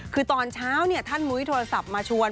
คือตอนเช้าท่านมุ้ยโทรศัพท์มาชวน